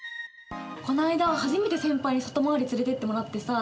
この間初めて先輩に外回り連れてってもらってさ。